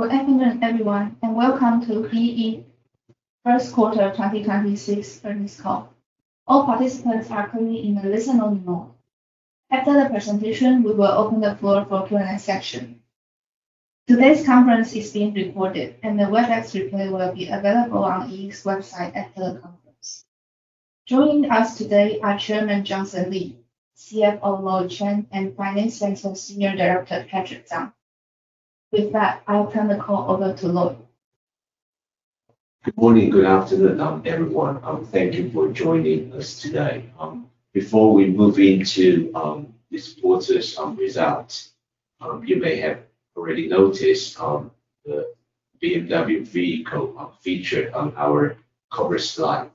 Good afternoon, everyone, and welcome to E Ink first quarter 2026 earnings call. All participants are currently in a listen-only mode. After the presentation, we will open the floor for Q&A session. Today's conference is being recorded, and the Webex replay will be available on E Ink's website after the conference. Joining us today are Chairman Johnson Lee, CFO Lloyd Chen, and Finance Center Senior Director Patrick Chang. With that, I'll turn the call over to Lloyd. Good morning, good afternoon, everyone. Thank you for joining us today. Before we move into this quarter's results, you may have already noticed the BMW vehicle featured on our cover slide,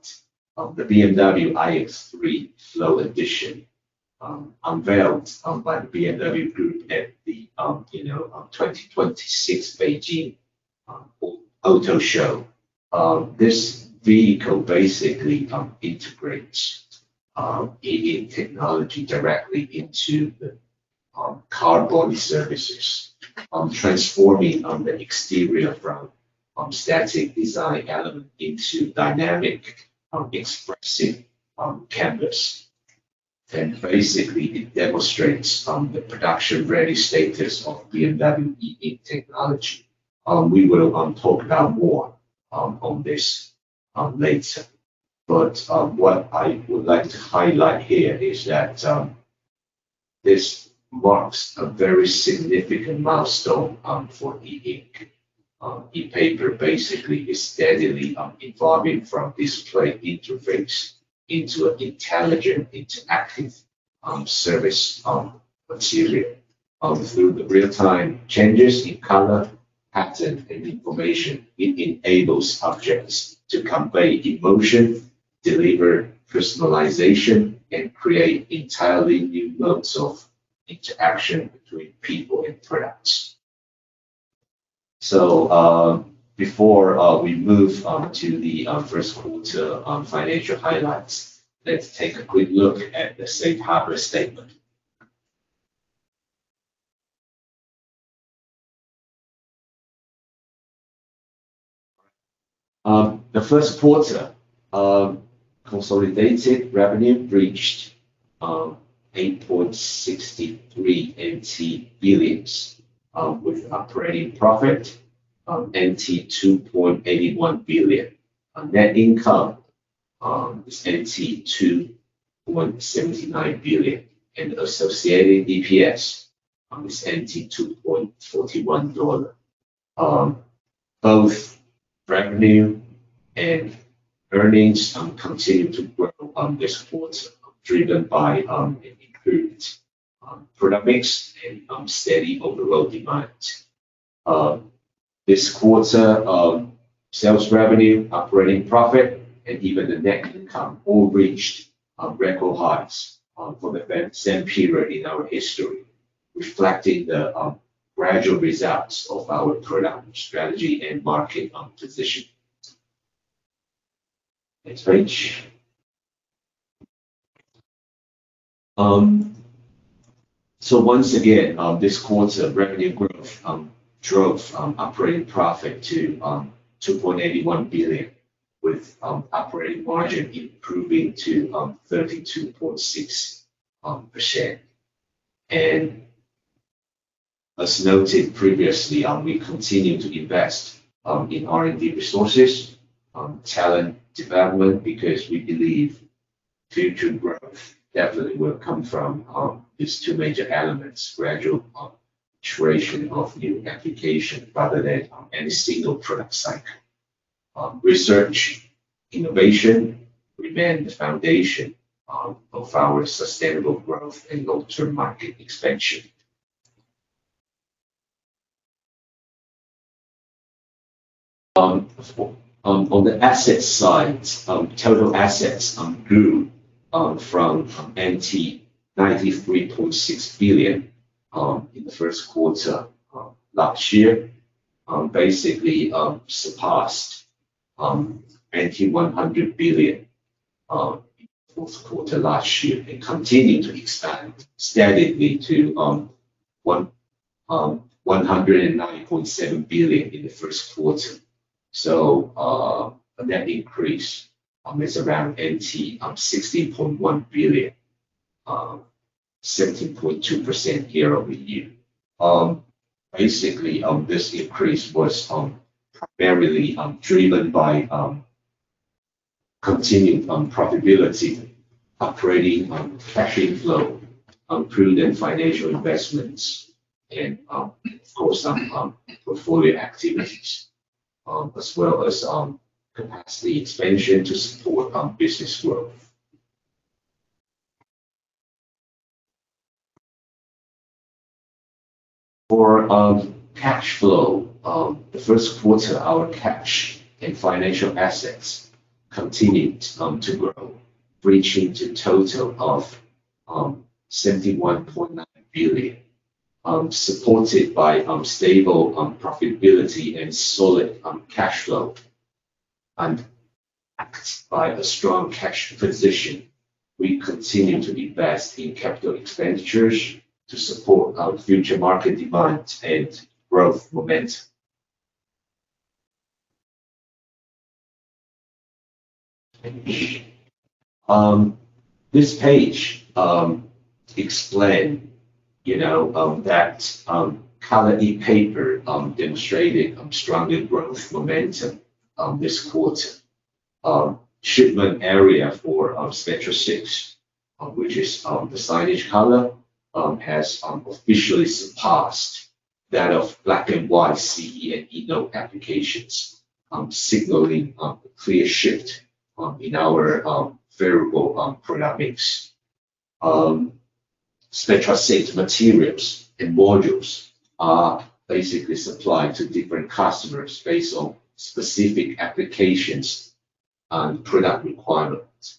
the BMW iX3 Flow Edition, unveiled by the BMW Group at the, you know, 2026 Beijing Auto Show. This vehicle basically integrates E Ink technology directly into the car body surfaces, transforming the exterior from static design element into dynamic, expressive canvas. Basically, it demonstrates the production-ready status of BMW E Ink technology. We will talk about more on this later. What I would like to highlight here is that this marks a very significant milestone for E Ink. ePaper basically is steadily evolving from display interface into an intelligent, interactive, surface material. Through the real-time changes in color, pattern, and information, it enables objects to convey emotion, deliver personalization, and create entirely new modes of interaction between people and products. Before we move to the first quarter financial highlights, let's take a quick look at the safe harbor statement. The first quarter consolidated revenue reached 8.63 billion NT, with operating profit 2.81 billion. Net income is 2.79 billion. Associated EPS is 2.41 dollar. Both revenue and earnings continued to grow this quarter, driven by an improved product mix and steady overall demand. This quarter, sales revenue, operating profit, and even the net income all reached record highs for the same period in our history, reflecting the gradual results of our product strategy and market position. Next page. Once again, this quarter revenue growth drove operating profit to 2.81 billion, with operating margin improving to 32.6%. As noted previously, we continue to invest in R&D resources, talent development, because we believe future growth definitely will come from these two major elements, gradual iteration of new application rather than any single product cycle. Research, innovation remain the foundation of our sustainable growth and long-term market expansion.f On the asset side, total assets grew from 93.6 billion in the first quarter last year, basically surpassed 100 billion fourth quarter last year, and continued to expand steadily to 109.7 billion in the first quarter. That increase is around 16.1 billion 17.2% year-over-year. Basically, this increase was primarily driven by continued profitability, operating cash flow, prudent financial investments, and of course, portfolio activities as well as capacity expansion to support business growth. For cash flow, the first quarter, our cash and financial assets continued to grow, reaching to total of 71.9 billion, supported by stable profitability and solid cash flow. Backed by a strong cash position, we continue to invest in capital expenditures to support our future market demands and growth momentum. This page explain, you know, that Color ePaper demonstrating stronger growth momentum this quarter. Shipment area for Spectra 6, which is the signage color, has officially surpassed that of black and white CE and eNote applications, signaling a clear shift in our variable product mix. Spectra 6 materials and modules are basically supplied to different customers based on specific applications and product requirements.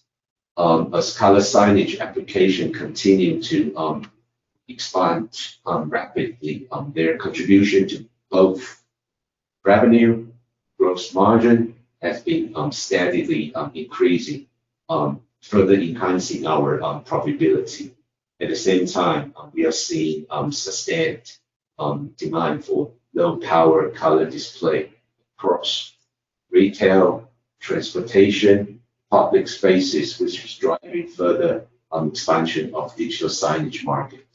As color signage application continue to expand rapidly, their contribution to both revenue, gross margin has been steadily increasing, further enhancing our profitability. At the same time, we are seeing sustained demand for low-power color display across retail, transportation, public spaces, which is driving further expansion of digital signage market.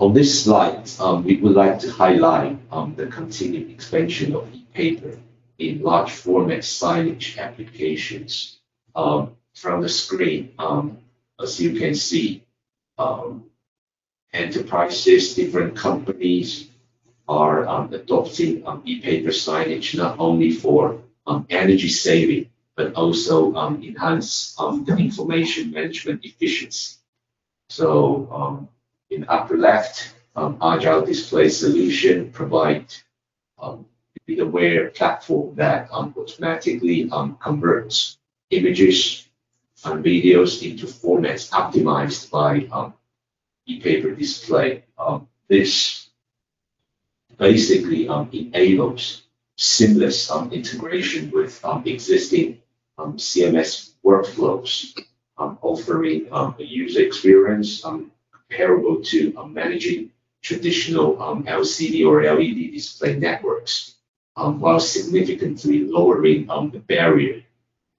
On this slide, we would like to highlight the continued expansion of ePaper in large-format signage applications from the screen. As you can see, enterprises, different companies are adopting ePaper signage not only for energy saving, but also enhance the information management efficiency. In upper left, Agile Display Solutions provide the beAWARE platform that automatically converts images and videos into formats optimized by ePaper display. This basically enables seamless integration with existing CMS workflows, offering a user experience comparable to managing traditional LCD or LED display networks, while significantly lowering the barrier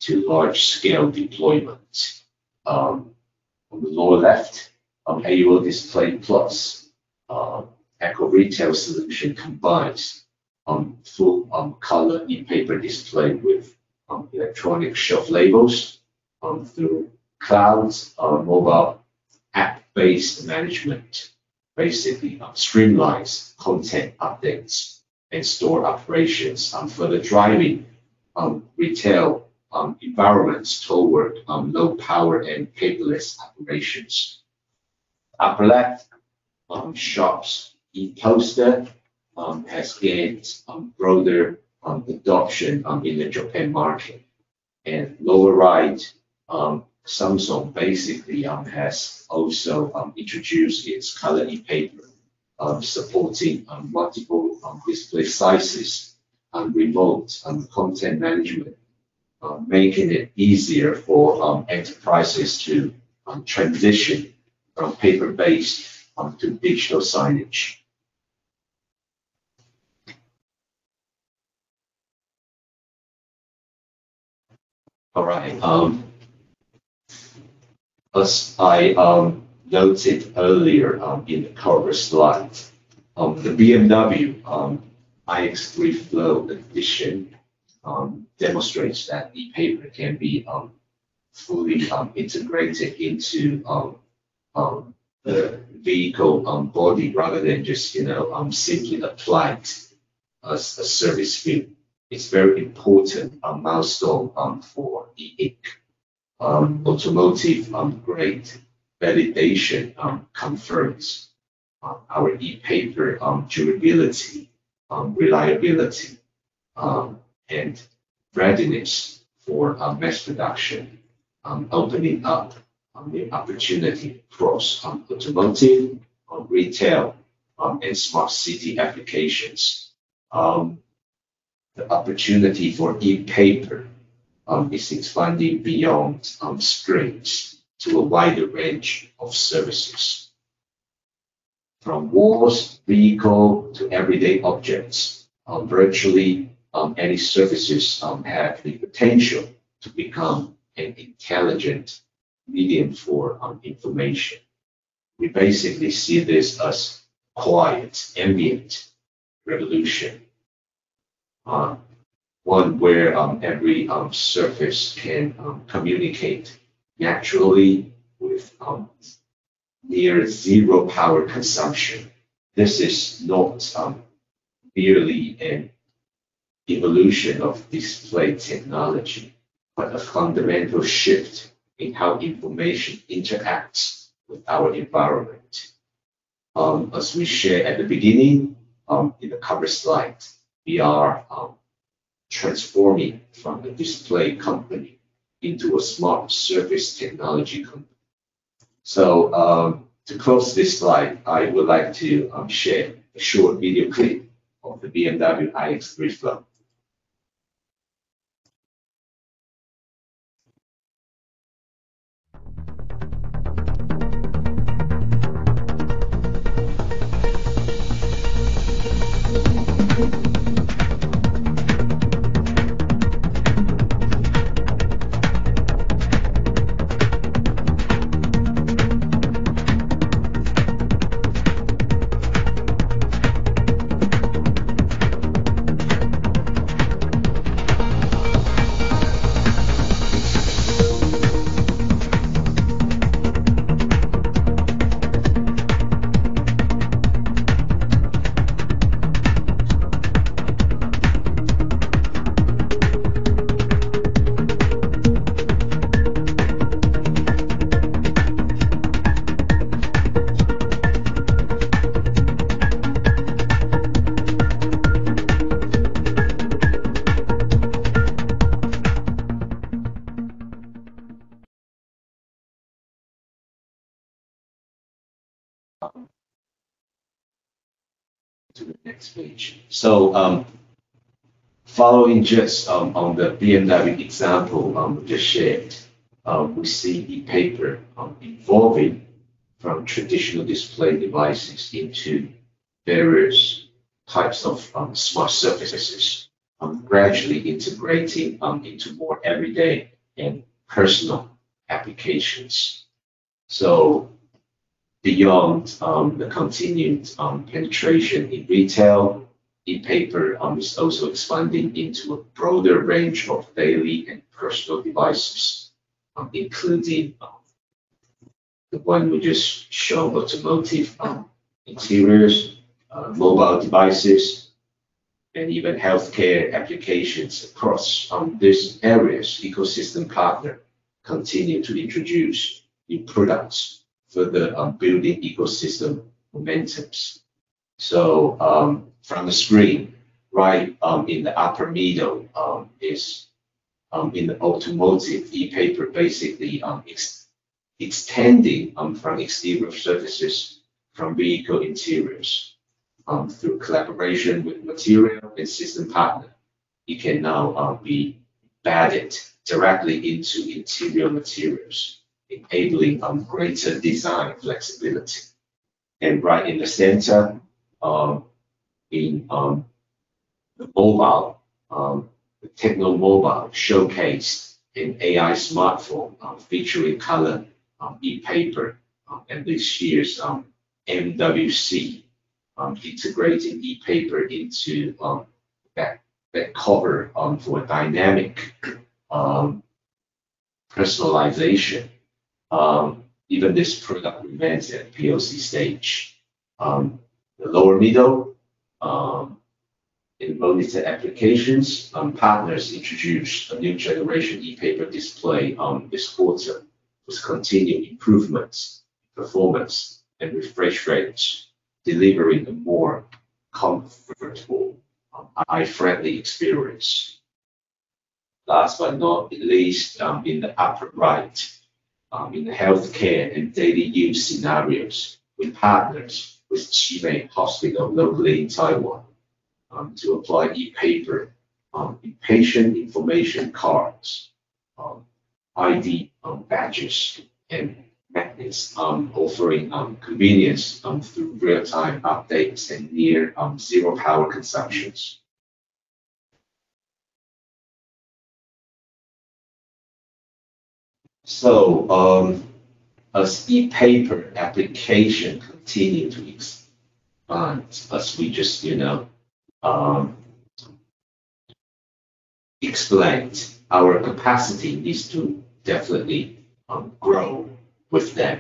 to large scale deployment. On the lower left, AUO Display Plus eco-retail solution combines full-Color ePaper display with electronic shelf labels through cloud, mobile app-based management, basically streamlines content updates and store operations, further driving retail environments toward low power and paperless operations. Upper left, Sharp's ePoster has gained broader adoption in the Japan market. Lower right, Samsung basically has also introduced its Color ePaper, supporting multiple display sizes and remote content management, making it easier for enterprises to transition from paper-based to digital signage. All right. As I noted earlier, in the cover slide, the BMW iX3 Flow Edition demonstrates that ePaper can be fully integrated into the vehicle body rather than just, you know, simply applied as a surface film. It's very important milestone for E Ink. Automotive grade validation confirms our ePaper durability, reliability, and readiness for mass production, opening up new opportunity across automotive, retail, and smart city applications. The opportunity for ePaper is expanding beyond screens to a wider range of surfaces. From walls, vehicle, to everyday objects, virtually any surfaces have the potential to become an intelligent medium for information. We basically see this as quiet, ambient revolution, one where every surface can communicate naturally with near-zero power consumption. This is not merely an evolution of display technology, but a fundamental shift in how information interacts with our environment. As we shared at the beginning, in the cover slide, we are transforming from a display company into a smart surface technology company. To close this slide, I would like to share a short video clip of the BMW iX3 Flow. To the next page. Following just on the BMW example, just shared, we see ePaper evolving from traditional display devices into various types of smart surfaces, gradually integrating into more everyday and personal applications. Beyond the continued penetration in retail, ePaper is also expanding into a broader range of daily and personal devices, including the one we just showed, automotive interiors, mobile devices, and even healthcare applications across these areas. Ecosystem partner continue to introduce new products further, building ecosystem momentums. From the screen, right, in the upper middle, is in the automotive, ePaper basically extending from exterior surfaces from vehicle interiors. Through collaboration with material and system partner, it can now be embedded directly into interior materials, enabling greater design flexibility. Right in the center, in the mobile, the TECNO Mobile showcased an AI smartphone featuring Color ePaper at this year's MWC, integrating ePaper into that cover for dynamic personalization. Even this product remains at POC stage. The lower middle, in monitor applications, partners introduced a new generation ePaper display this quarter, with continued improvements, performance, and refresh rates, delivering a more comfortable, eye-friendly experience. Last but not least, in the upper right, in the healthcare and daily use scenarios with partners with Chi Mei Medical Center locally in Taiwan, to apply ePaper in patient information cards, ID badges, and magnets, offering convenience through real-time updates and near zero power consumptions. As ePaper application continue to expand, as we just explained, our capacity needs to definitely grow with them,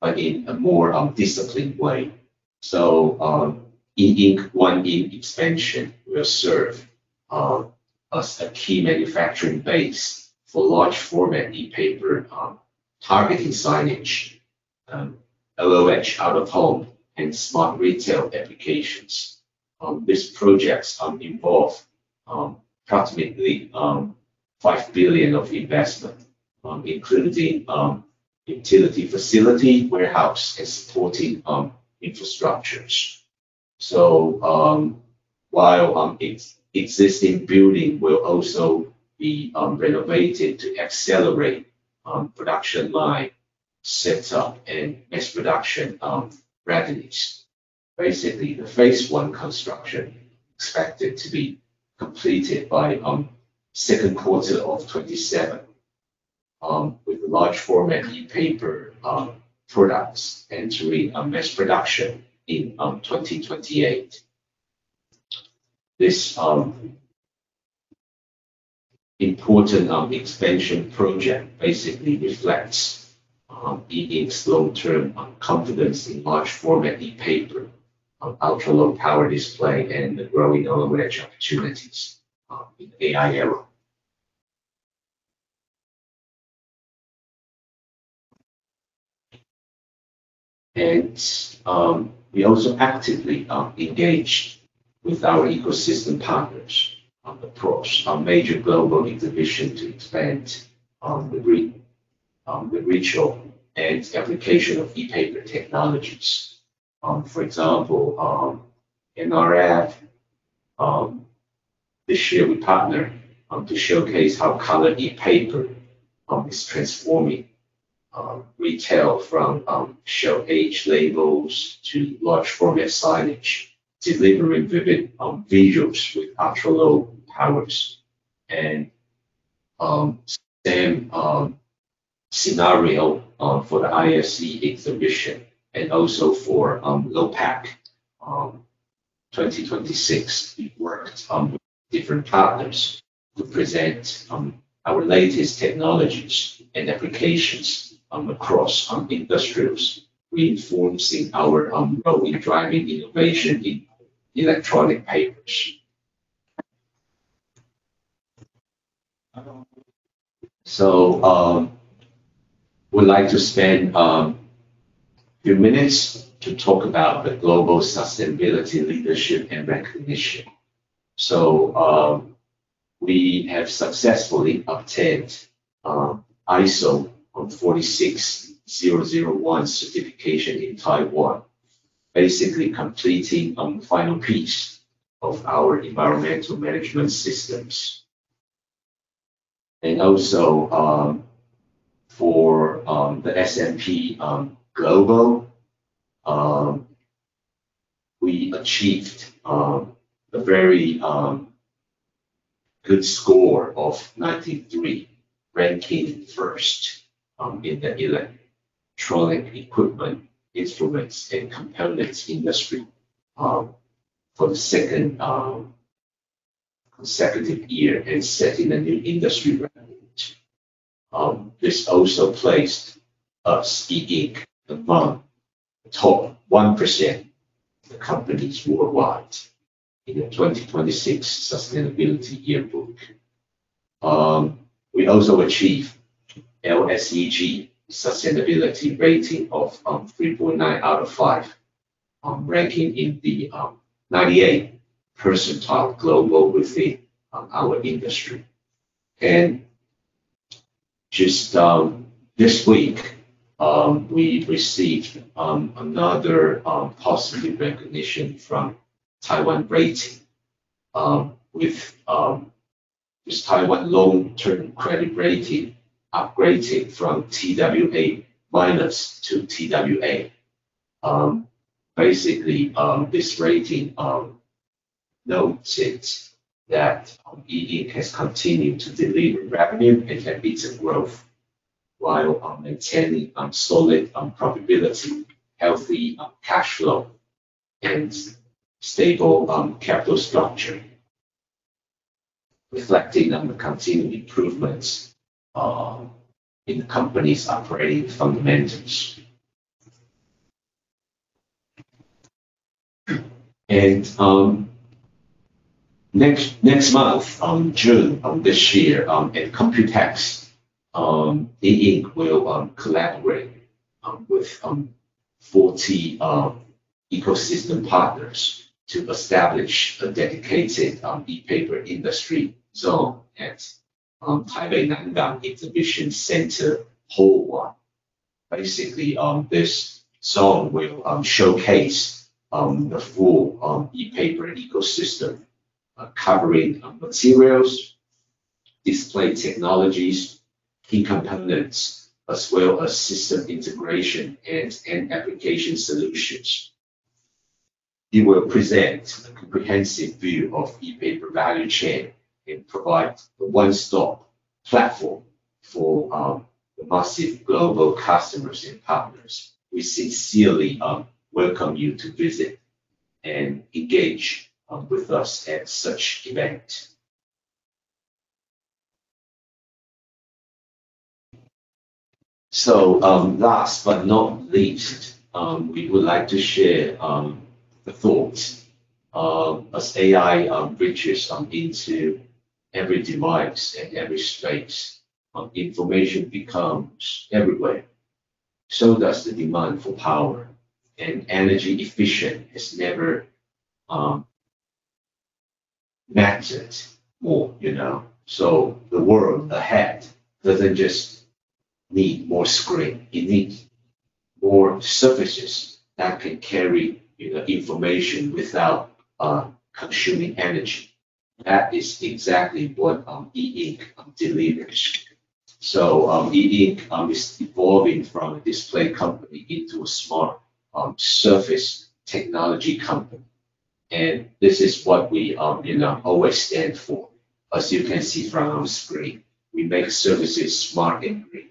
but in a more disciplined way. E Ink Guanyin expansion will serve as a key manufacturing base for large format ePaper, targeting signage, OOH out of home, and smart retail applications. These projects involve approximately 5 billion of investment, including utility facility, warehouse, and supporting infrastructures. While existing building will also be renovated to accelerate production line setup and mass production revenues. Basically, the phase one construction expected to be completed by second quarter of 2027, with large-format ePaper products entering mass production in 2028. This important expansion project basically reflects E Ink's long-term confidence in large format ePaper, ultra-low power display, and the growing OOH opportunities in the AI era. We also actively engage with our ecosystem partners across our major global exhibition to expand the reach and application of ePaper technologies. For example, NRF this year we partner to showcase how Color ePaper is transforming retail from shelf edge labels to large format signage, delivering vivid visuals with ultra-low powers. Same scenario for the ISE exhibition and also for LOPEC 2026, we worked with different partners to present our latest technologies and applications across industrials, reinforcing our ongoing driving innovation in ePaper. We'd like to spend a few minutes to talk about the global sustainability leadership and recognition. We have successfully obtained ISO 46001 certification in Taiwan, basically completing final piece of our environmental management systems. For S&P Global, we achieved a very good score of 93, ranking first in the electronic equipment, instruments and components industry for the second consecutive year and setting a new industry record. This also placed us E Ink among the top 1% of the companies worldwide in the 2026 Sustainability Yearbook. We also achieved LSEG sustainability rating of 3.9 out of 5, ranking in the 98 percentile global within our industry. Just this week, we received another positive recognition from Taiwan Ratings, with this Taiwan long-term credit rating upgraded from twA- to twA. Basically, this rating notes that E Ink has continued to deliver revenue and EBITDA growth while maintaining solid profitability, healthy cash flow, and stable capital structure, reflecting on the continued improvements in the company's operating fundamentals. Next month, June of this year, at COMPUTEX, E Ink will collaborate with 40 ecosystem partners to establish a dedicated ePaper industry zone at Taipei Nangang Exhibition Center Hall 1. Basically, this zone will showcase the full ePaper ecosystem, covering materials, display technologies, key components, as well as system integration and application solutions. It will present a comprehensive view of ePaper value chain and provide a one-stop platform for the massive global customers and partners. We sincerely welcome you to visit and engage with us at such event. Last but not least, we would like to share the thoughts. As AI reaches into every device and every space, information becomes everywhere, so does the demand for power and energy efficient has never mattered more, you know. The world ahead doesn't just need more screen, it needs more surfaces that can carry, you know, information without consuming energy. That is exactly what E Ink delivers. E Ink is evolving from a display company into a smart surface technology company. This is what we, you know, always stand for. As you can see from screen, we make surfaces smart and green.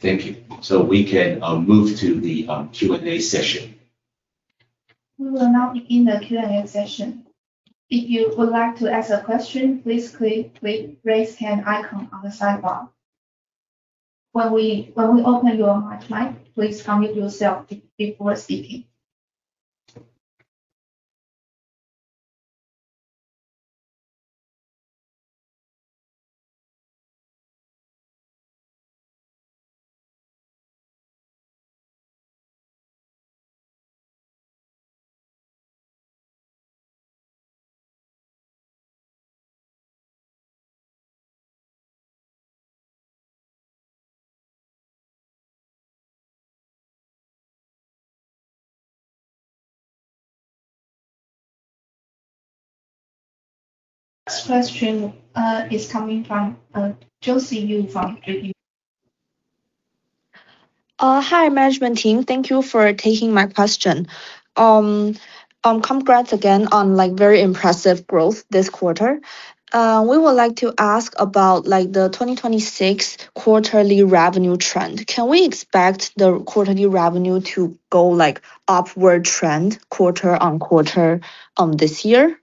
Thank you. We can move to the Q&A session. We will now begin the Q&A session. If you would like to ask a question, please click the raise hand icon on the sidebar. When we open your microphone, please unmute yourself before speaking. Next question is coming from Josie Yu from J.P. Morgan. Hi, management team. Thank you for taking my question. Congrats again on, like, very impressive growth this quarter. We would like to ask about, like, the 2026 quarterly revenue trend. Can we expect the quarterly revenue to go, like, upward trend quarter-on-quarter this year?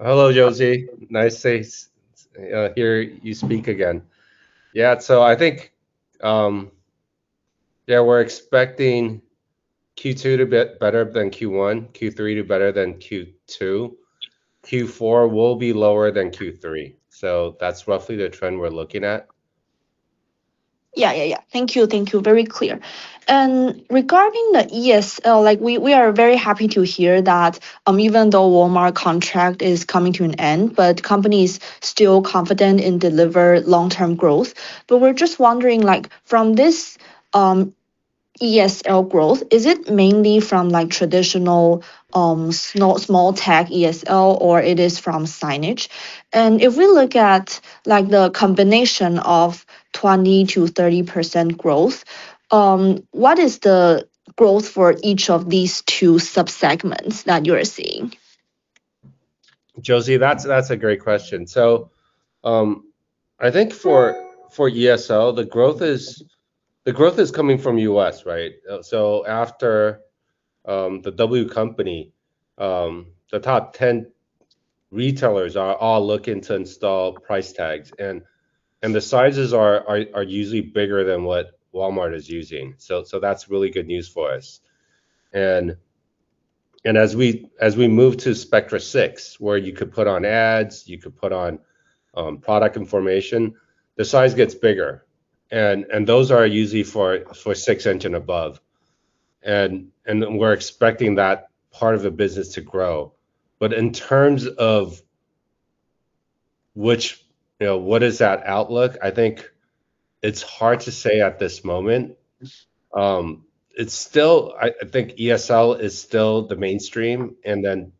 Hello, Josie. Nice to hear you speak again. I think, we're expecting Q2 to be better than Q1, Q3 to better than Q2. Q4 will be lower than Q3, that's roughly the trend we're looking at. Yeah, yeah. Thank you, thank you. Very clear. Regarding the ESL, we are very happy to hear that, even though Walmart contract is coming to an end, company's still confident in deliver long-term growth. We're just wondering, from this ESL growth, is it mainly from traditional small-tag ESL, or it is from signage? If we look at the combination of 20%-30% growth, what is the growth for each of these two sub-segments that you're seeing? Josie, that's a great question. I think for ESL, the growth is coming from U.S., right? After the W company, the top 10 retailers are all looking to install price tags and the sizes are usually bigger than what Walmart is using. That's really good news for us. As we move to Spectra 6, where you could put on ads, you could put on product information, the size gets bigger, and those are usually for 6 in and above. We're expecting that part of the business to grow. In terms of which, you know, what is that outlook? I think it's hard to say at this moment. It's still I think ESL is still the mainstream, then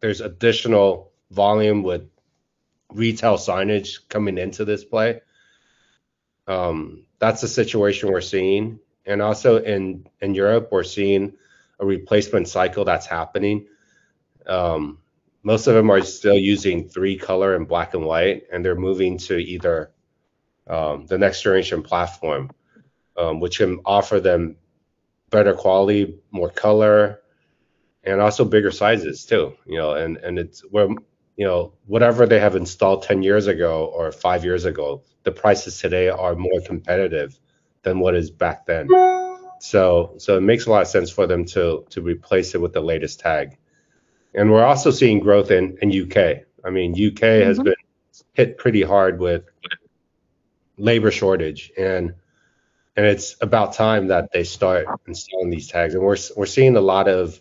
there's additional volume with retail signage coming into this play. That's the situation we're seeing. Also in Europe, we're seeing a replacement cycle that's happening. Most of them are still using three-color and black and white, they're moving to either the next generation platform, which can offer them better quality, more color, and also bigger sizes too, you know. It's where, you know, whatever they have installed 10 years ago or five years ago, the prices today are more competitive than what is back then. It makes a lot of sense for them to replace it with the latest tag. We're also seeing growth in U.K. has been hit pretty hard with labor shortage, and it's about time that they start installing these tags. We're seeing a lot of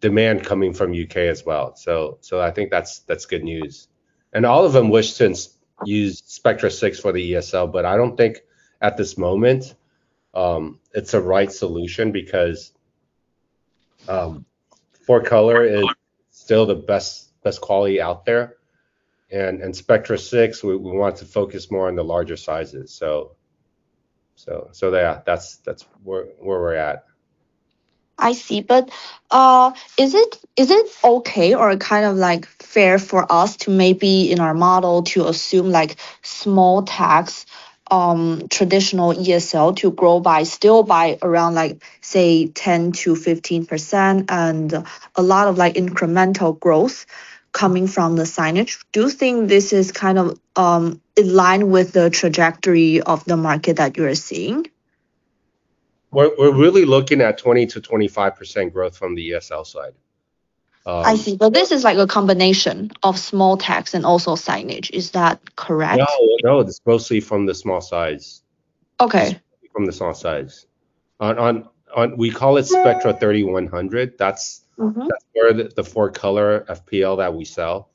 demand coming from U.K. as well. I think that's good news. All of them wish to use Spectra 6 for the ESL, but I don't think at this moment it's a right solution because four-color is still the best quality out there. In Spectra 6, we want to focus more on the larger sizes. Yeah. That's where we're at. I see. Is it okay or kind of like fair for us to maybe in our model to assume like small tags, traditional ESL to grow by still by around like, say, 10%-15% and a lot of like incremental growth coming from the signage? Do you think this is kind of in line with the trajectory of the market that you're seeing? We're really looking at 20%-25% growth from the ESL side. I see. This is like a combination of small tags and also signage. Is that correct? No, no. It's mostly from the small size. Okay. From the small size. On, we call it Spectra 3100. That's where the four color FPL that we sell.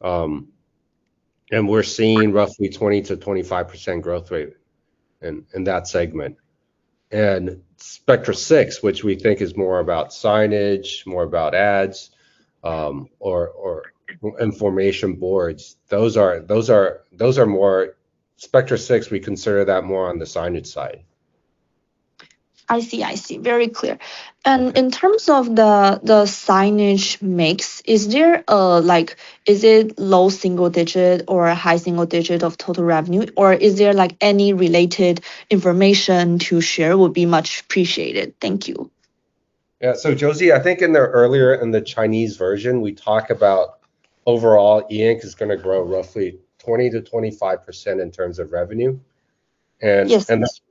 We're seeing roughly 20%-25% growth rate in that segment. Spectra 6, which we think is more about signage, more about ads, or information boards, those are more Spectra 6, we consider that more on the signage side. I see. I see. Very clear. In terms of the signage mix, is there a, is it low single digit or high single-digit of total revenue? Is there any related information to share would be much appreciated. Thank you. Yeah. Josie, I think in the earlier, in the Chinese version, we talk about overall E Ink is gonna grow roughly 20%-25% in terms of revenue. Yes.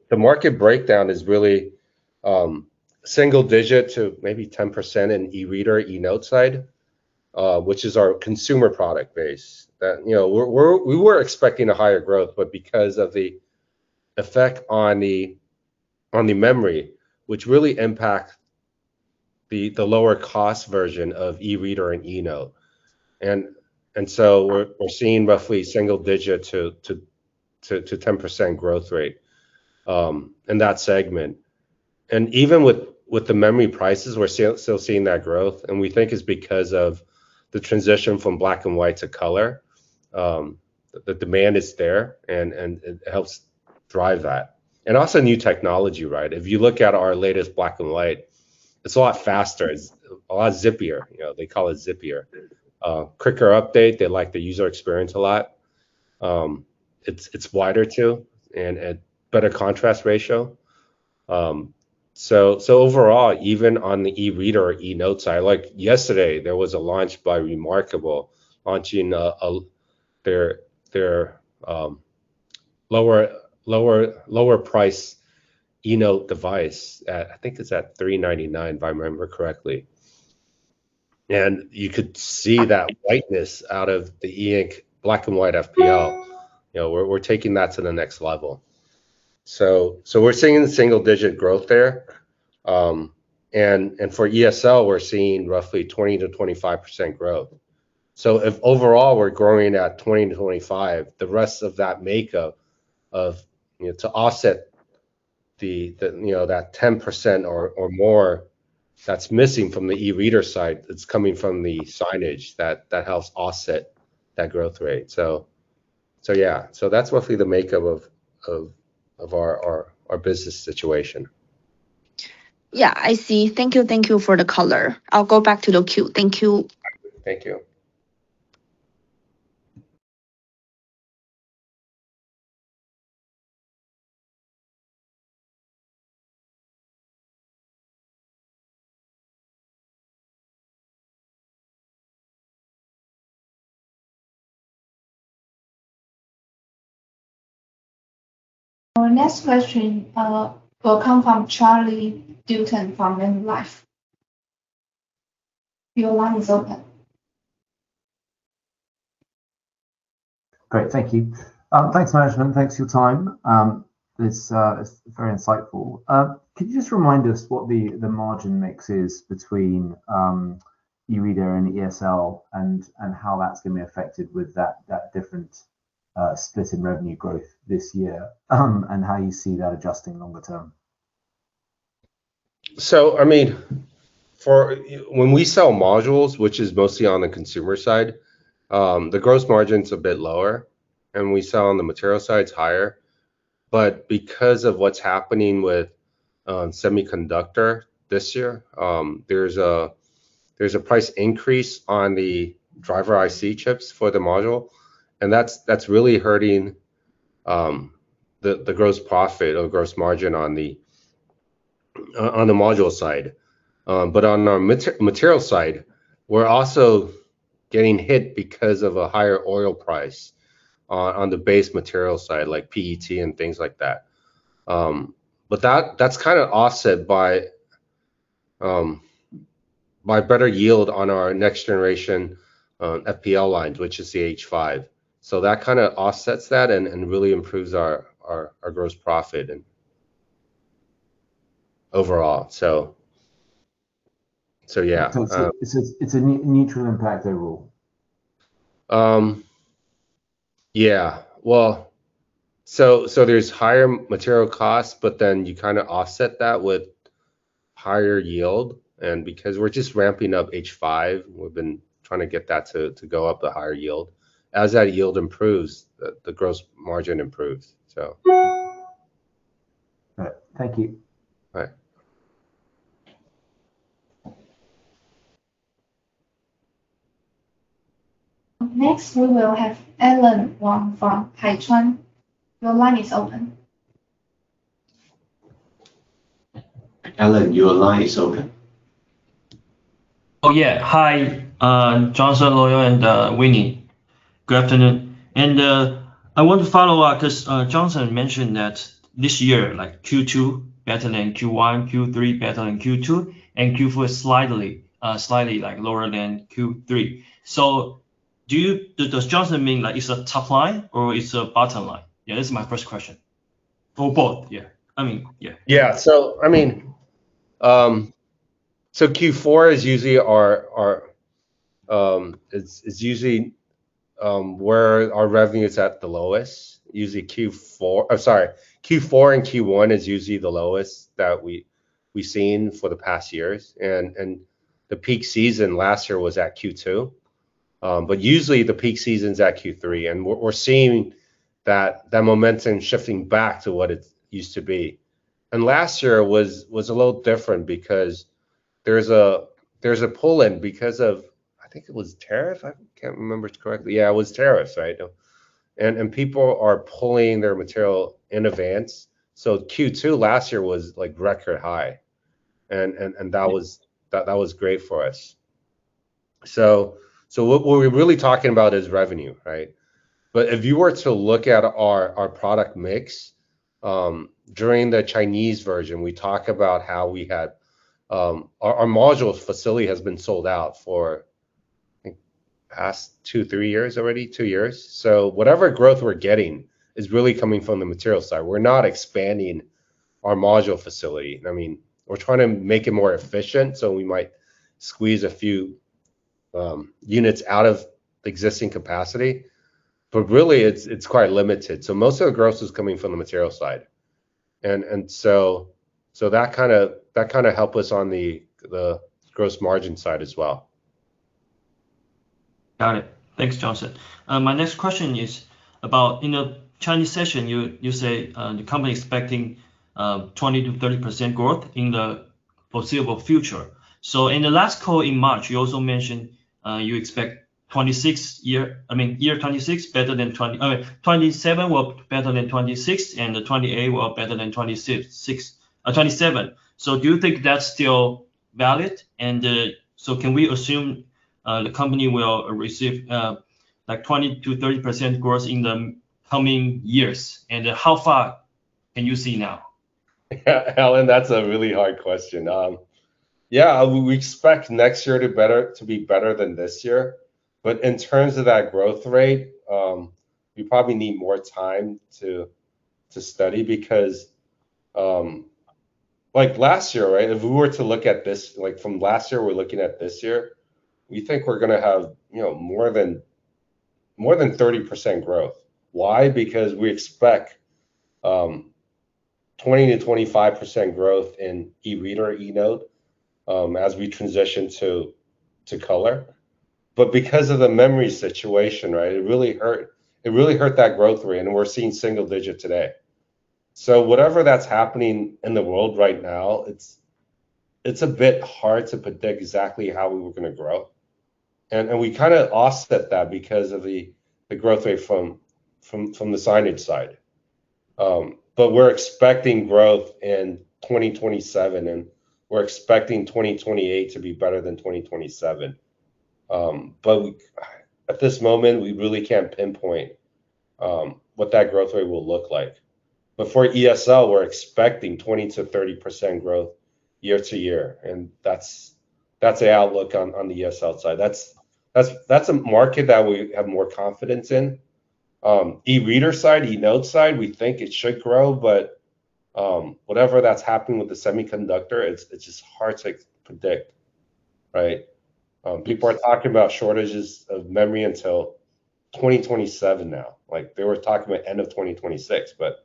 The market breakdown is really single-digit to maybe 10% in Color eReader, eNote side, which is our consumer product base. That, you know, We were expecting a higher growth, but because of the effect on the memory, which really impact the lower cost version of Color eReader and eNote. We're seeing roughly single-digit to 10% growth rate in that segment. Even with the memory prices, we're still seeing that growth, and we think it's because of the transition from black and white to color. The demand is there and it helps drive that. Also new technology, right? If you look at our latest black and white, it's a lot faster. It's a lot zippier. You know, they call it zippier, quicker update. They like the user experience a lot. It's wider, too, and a better contrast ratio. Overall, even on the eReader or eNote side, like yesterday there was a launch by reMarkable launching their lower-price eNote device. I think it's at $399, if I remember correctly. You could see that whiteness out of the E Ink black and white FPL. You know, we're taking that to the next level. We're seeing the single-digit growth there. For ESL we're seeing roughly 20%-25% growth. If overall we're growing at 20%-25%, the rest of that makeup of, you know, to offset the, you know, that 10% or more that's missing from the eReader side, it's coming from the signage that helps offset that growth rate. Yeah. That's roughly the makeup of our business situation. I see. Thank you. Thank you for the color. I'll go back to the queue. Thank you. Thank you. Our next question will come from Charlie Dutton from Manulife. Your line is open. Great. Thank you. Thanks management. Thanks for your time. This is very insightful. Could you just remind us what the margin mix is between eReader and ESL and how that's gonna be affected with that different split in revenue growth this year, and how you see that adjusting longer term? I mean, for when we sell modules, which is mostly on the consumer side, the gross margin's a bit lower, and we sell on the material side, it's higher. Because of what's happening with semiconductor this year, there's a price increase on the driver IC chips for the module, and that's really hurting the gross profit or gross margin on the module side. On our material side, we're also getting hit because of a higher oil price on the base material side, like PET and things like that. That's kind of offset by better yield on our next-generation FPL lines, which is the H5. That kind of offsets that and really improves our gross profit and overall. Yeah. It's a neutral impact overall? There's higher material costs, but then you kind of offset that with higher yield. Because we're just ramping up H5, we've been trying to get that to go up to higher yield. As that yield improves, the gross margin improves. All right. Thank you. All right. Next we will have Allan Wong from [Cathay]. Your line is open. Allan, your line is open. Oh yeah. Hi, Johnson, Lloyd, and Winnie. Good afternoon. I want to follow up 'cause Johnson mentioned that this year, like Q2 better than Q1, Q3 better than Q2, and Q4 is slightly like lower than Q3. Does Johnson mean like it's a top line or it's a bottom line? This is my first question. For both, I mean. Yeah. I mean, Q4 is usually our, it's usually where our revenue is at the lowest. Usually Q4 I'm sorry, Q4 and Q1 is usually the lowest that we've seen for the past years. The peak season last year was at Q2. Usually the peak season's at Q3, and we're seeing that momentum shifting back to what it used to be. Last year was a little different because there's a pull-in because of I think it was tariff. I can't remember correctly. Yeah, it was tariffs, right? People are pulling their material in advance. Q2 last year was like record high and that was great for us. What we're really talking about is revenue, right? If you were to look at our product mix, during the Chinese version, we talk about how we had our module facility has been sold out for, I think, past two years already. Whatever growth we're getting is really coming from the material side. We're not expanding our module facility. I mean, we're trying to make it more efficient, so we might squeeze a few units out of existing capacity, but really it's quite limited. Most of the growth is coming from the material side. That kind of helped us on the gross margin side as well. Got it. Thanks, Johnson. My next question is about, you know, Chinese session, you say the company expecting 20%-30% growth in the foreseeable future. In the last call in March, you also mentioned you expect 2027 were better than 2026, 2028 were better than 2027. Do you think that's still valid? Can we assume the company will receive like 20%-30% growth in the coming years? How far can you see now? Allan, that's a really hard question. Yeah, we expect next year to be better than this year. In terms of that growth rate, we probably need more time to study. Like last year, if we were to look at this, like from last year we're looking at this year, we think we're gonna have, you know, more than 30% growth. Why? We expect 20%-25% growth in eReader, eNote, as we transition to color. Because of the memory situation, it really hurt that growth rate, and we're seeing single digit today. Whatever that's happening in the world right now, it's a bit hard to predict exactly how we were gonna grow. We kind of offset that because of the growth rate from the signage side. We're expecting growth in 2027, and we're expecting 2028 to be better than 2027. At this moment, we really can't pinpoint what that growth rate will look like. For ESL, we're expecting 20%-30% growth year-to-year, and that's the outlook on the ESL side. That's a market that we have more confidence in. eReader side, eNote side, we think it should grow, but whatever that's happening with the semiconductor, it's just hard to predict, right? People are talking about shortages of memory until 2027 now. They were talking about end of 2026, but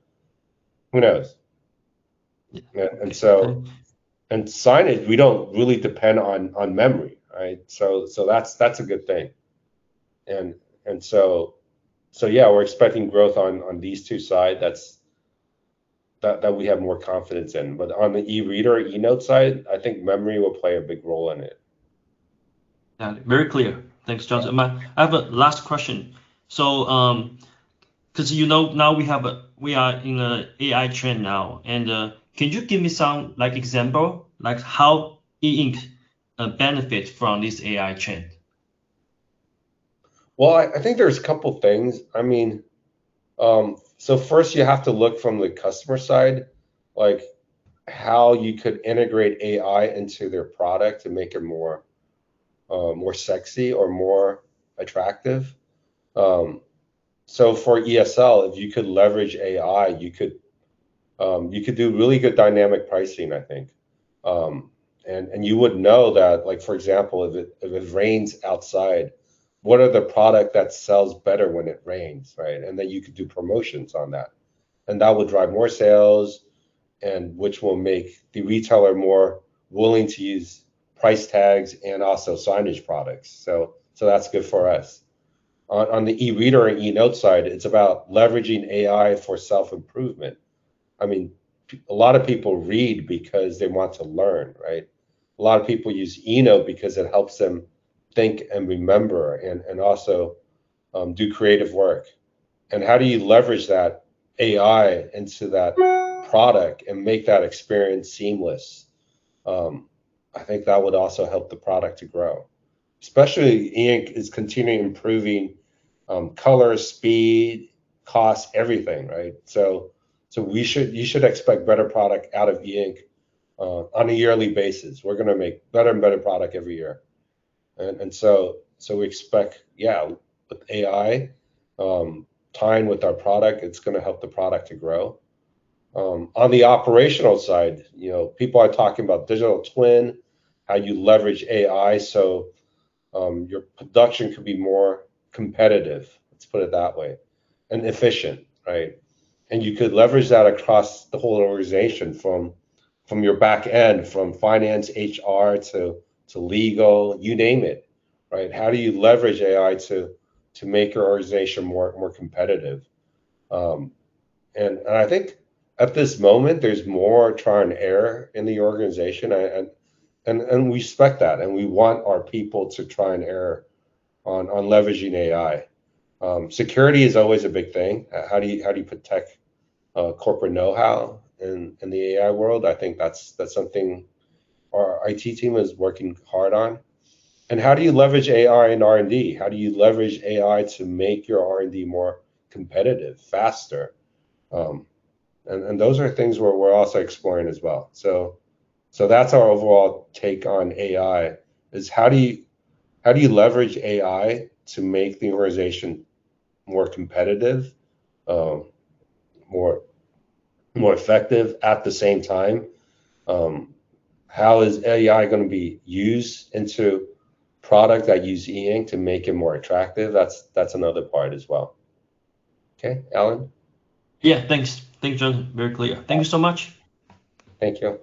who knows? Signage, we don't really depend on memory, right? That's a good thing. Yeah, we're expecting growth on these two side that we have more confidence in. On the eReader, eNote side, I think memory will play a big role in it. Yeah. Very clear. Thanks, Johnson. I have a last question. 'Cause you know now we are in a AI trend now, can you give me some like example, like how E Ink benefit from this AI trend? Well, I think there's a couple things. I mean, first you have to look from the customer side, like how you could integrate AI into their product and make it more sexy or more attractive. For ESL, if you could leverage AI, you could do really good dynamic pricing I think. And you would know that, like, for example, if it rains outside, what are the product that sells better when it rains, right? Then you could do promotions on that, and that would drive more sales and which will make the retailer more willing to use price tags and also signage products. That's good for us. On the eReader and eNote side, it's about leveraging AI for self-improvement. I mean, a lot of people read because they want to learn, right? A lot of people use eNote because it helps them think and remember and also do creative work. How do you leverage that AI into that product and make that experience seamless? I think that would also help the product to grow. Especially E Ink is continually improving color, speed, cost, everything, right? You should expect better product out of E Ink on a yearly basis. We're gonna make better and better product every year. We expect, yeah, with AI tying with our product, it's gonna help the product to grow. On the operational side, you know, people are talking about digital twin, how you leverage AI so your production could be more competitive, let's put it that way, and efficient, right? You could leverage that across the whole organization from your back end, from finance, HR to legal, you name it, right? How do you leverage AI to make your organization more competitive? I think at this moment there's more trial and error in the organization. We expect that, and we want our people to try and error on leveraging AI. Security is always a big thing. How do you protect corporate knowhow in the AI world? I think that's something our IT team is working hard on. How do you leverage AI in R&D? How do you leverage AI to make your R&D more competitive faster? Those are things we're also exploring as well. That's our overall take on AI is how do you leverage AI to make the organization more competitive, more effective at the same time? How is AI gonna be used into product that use E Ink to make it more attractive? That's another part as well. Okay. Allan? Yeah. Thanks. Thank you, John. Very clear. Thank you so much. Thank you.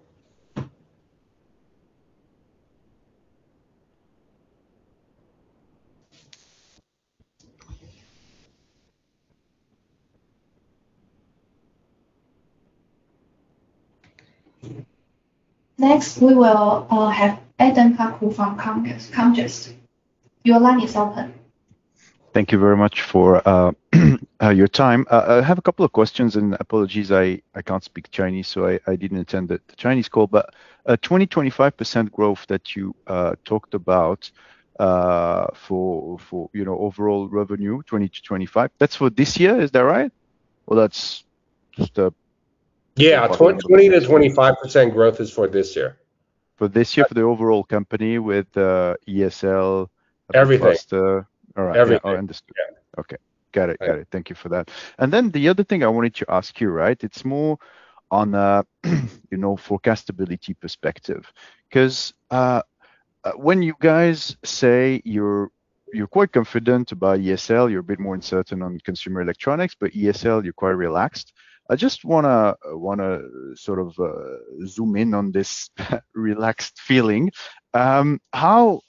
Next, we will have Adam Hakkou from Comgest. Your line is open. Thank you very much for your time. I have a couple of questions, and apologies I can't speak Chinese so I didn't attend the Chinese call. But 20%-25% growth that you talked about for, you know, overall revenue, 20%-25%, that's for this year, is that right? Yeah 20%-25% growth is for this year. For this year for the overall company with, ESL. Everything. All right. Everything. Oh, understood. Yeah. Okay. Got it. Got it. Thank you for that. The other thing I wanted to ask you, right, it's more on a, you know, forecastability perspective. When you guys say you're quite confident about ESL, you're a bit more uncertain on consumer electronics, but ESL you're quite relaxed. I just wanna sort of zoom in on this relaxed feeling. How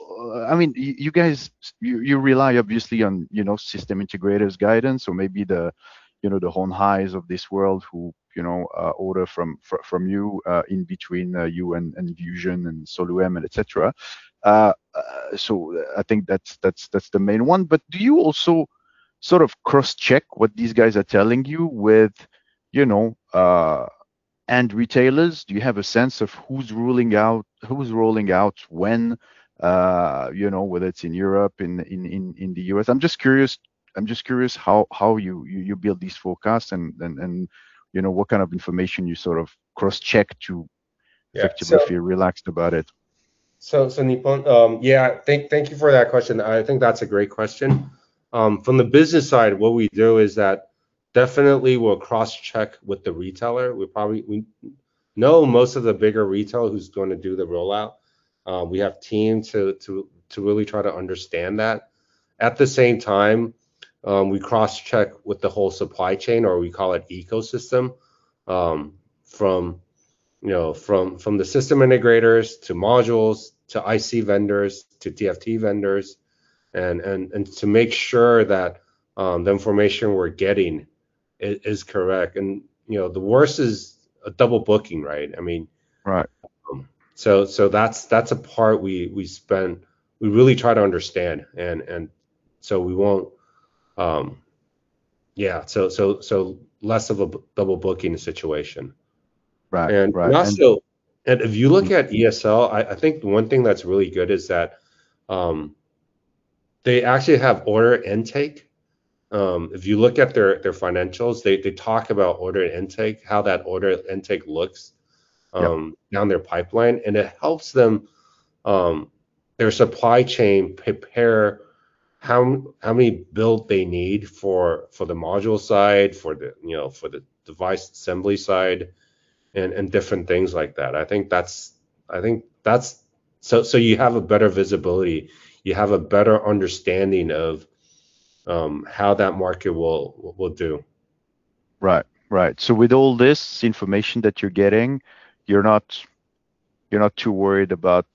I mean, you guys, you rely obviously on, you know, system integrators guidance or maybe the, you know, the Hon Hai's of this world who, you know, order from you, in between, you and, Vusion and SOLUM and et cetera. I think that's the main one. Do you also sort of cross-check what these guys are telling you with, you know, end retailers? Do you have a sense of who's ruling out, who's rolling out when, you know, whether it's in Europe, in the U.S.? I'm just curious how you build these forecasts and, you know, what kind of information you sort of cross-check. Yeah. Effectively feel relaxed about it. Thank you for that question. I think that's a great question. From the business side what we do is that definitely we'll cross-check with the retailer. We know most of the bigger retailer who's gonna do the rollout. We have team to really try to understand that. At the same time, we cross-check with the whole supply chain, or we call it ecosystem, from the system integrators to modules, to IC vendors, to TFT vendors, and to make sure that the information we're getting is correct. You know, the worst is a double booking, right? Right. That's a part we spend, we really try to understand and so we won't, Yeah. Less of a double booking situation. Right. If you look at ESL, I think one thing that's really good is that they actually have order intake. If you look at their financials, they talk about order intake down their pipeline, and it helps them, their supply chain prepare how many build they need for the module side, for the, you know, for the device assembly side and different things like that. I think that's. You have a better visibility, you have a better understanding of, how that market will do. Right. Right. With all this information that you're getting, you're not, you're not too worried about,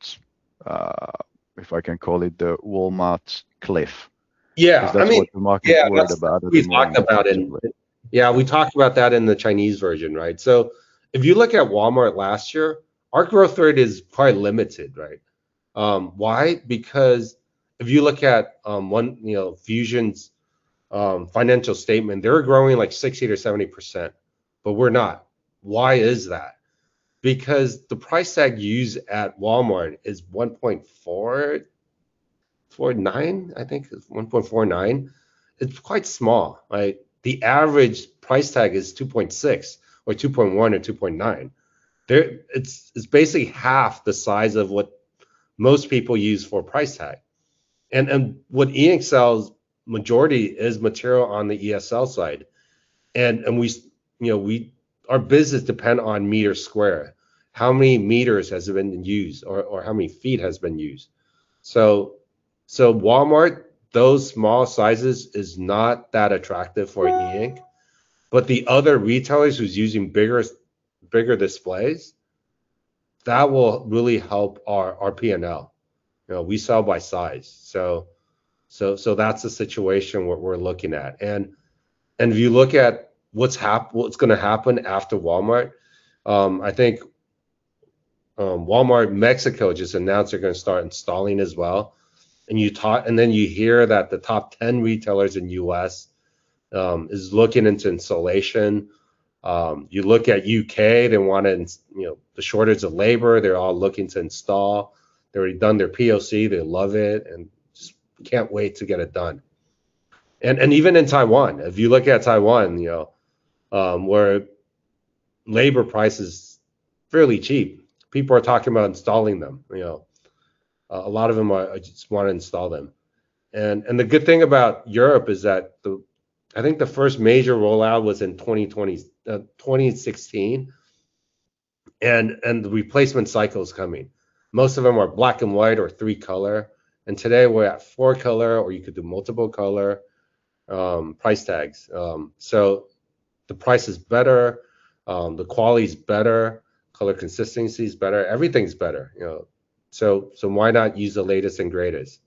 if I can call it the Walmart cliff? Yeah. 'Cause that's what the— Yeah Worried about it. We talked about. Right. Yeah, we talked about that in the Chinese version, right? If you look at Walmart last year, our growth rate is quite limited, right? Why? Because if you look at, you know, Vusion's financial statement, they're growing like 60% or 70%, but we're not. Why is that? Because the price tag used at Walmart is 1.449, I think. 1.49. It's quite small, right? The average price tag is 2.6 or 2.1 or 2.9. There, it's basically half the size of what most people use for a price tag. And what E Ink sells majority is material on the ESL side. And you know, our business depend on meter square. How many meters has been used or how many feet has been used. Walmart, those small sizes is not that attractive for E Ink, but the other retailers who's using bigger displays, that will really help our P&L. You know, we sell by size. That's the situation what we're looking at. If you look at what's gonna happen after Walmart, Mexico just announced they're gonna start installing as well. Then you hear that the top 10 retailers in U.S. is looking into installation. You look at U.K., they wanna, you know, the shortage of labor, they're all looking to install. They've already done their POC, they love it, and just can't wait to get it done. Even in Taiwan, if you look at Taiwan, you know, where labor price is fairly cheap, people are talking about installing them, you know. A lot of them just wanna install them. The good thing about Europe is that I think the first major rollout was in 2016. The replacement cycle's coming. Most of them are black and white or three-color, and today we're at four-color or you could do multiple color. Price tags. The price is better, the quality's better, color consistency's better. Everything's better, you know. Why not use the latest and greatest?